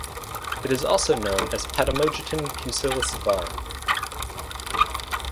It is also known as Potamogeton pusillus var.